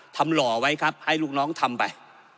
หล่อไว้ครับให้ลูกน้องทำไป